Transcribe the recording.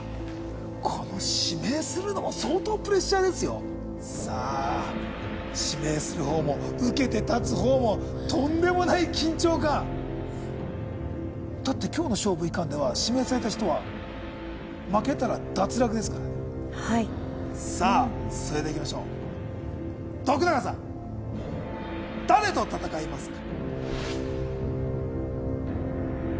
この指名するのも相当プレッシャーですよさあ指名するほうも受けて立つほうもとんでもない緊張感だって今日の勝負いかんでは指名された人は負けたら脱落ですからねはいさあ進めていきましょう徳永さん誰と戦いますか？